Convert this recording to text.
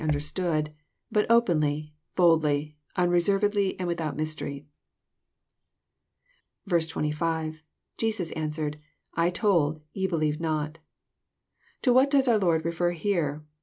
209 ondentood, but openly, boldly, unreservedly, and without mys tery. S5. — IJesus answered...! told...ye "believed not."] To what does onr Lord refer here